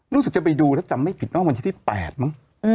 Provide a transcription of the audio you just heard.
รู้สึกจะไปดูแล้วจำไม่ผิดว่าวันที่๘มั้ง